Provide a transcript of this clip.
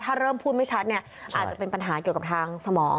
ถ้าเริ่มพูดไม่ชัดเนี่ยอาจจะเป็นปัญหาเกี่ยวกับทางสมอง